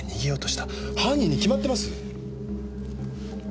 犯人に決まってます！